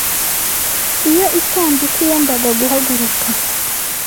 Iyo isanduku yendaga guhaguruka